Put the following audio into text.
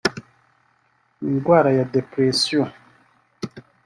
Indwara ya depression